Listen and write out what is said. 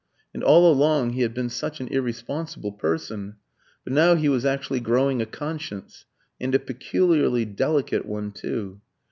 And all along he had been such an irresponsible person, but now he was actually growing a conscience, and a peculiarly delicate one too.